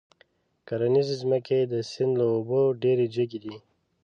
کرنيزې ځمکې د سيند له اوبو ډېرې جګې دي.